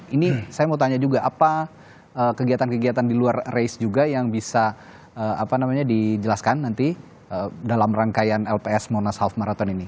ini saya mau tanya juga apa kegiatan kegiatan di luar race juga yang bisa dijelaskan nanti dalam rangkaian lps monas half marathon ini